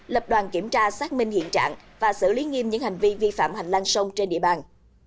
lập đoàn kiểm tra xác minh hiện trạng và xử lý nghiêm những hành vi vi phạm hành lang sông trên địa bàn